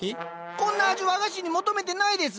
こんな味和菓子に求めてないです。